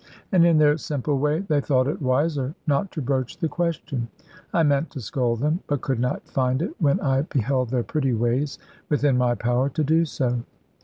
And in their simple way, they thought it wiser not to broach the question. I meant to scold them, but could not find it, when I beheld their pretty ways, within my power to do so.